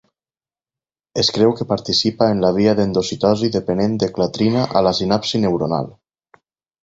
Es creu que participa en la via d'endocitosi dependent de clatrina a la sinapsi neuronal.